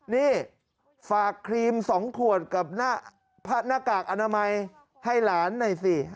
นี่ฝากครีม๒ขวดกับหน้ากากอนามัยให้หลานหน่อยสิ